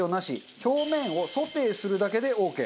表面をソテーするだけでオーケー。